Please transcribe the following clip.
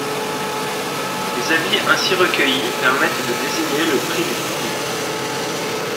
Les avis ainsi recueillis permettent de désigner le prix du public.